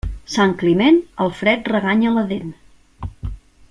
Sant Climent, el fred reganya la dent.